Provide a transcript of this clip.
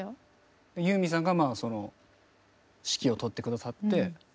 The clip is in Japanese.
ユーミンさんが指揮を執って下さって。